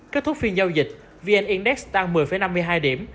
kết thúc phiên giao dịch vn index tăng một mươi năm mươi hai điểm